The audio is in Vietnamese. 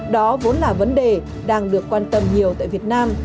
đó vốn là vấn đề đang được quan tâm nhiều tại việt nam